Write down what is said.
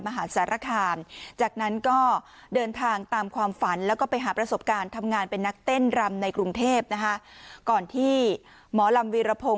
ไม่ว่าจะอยู่ที่ไหน